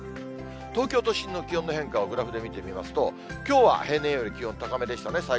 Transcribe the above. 東京都心の気温の変化をグラフで見てみますと、きょうは平年より気温高めでしたね。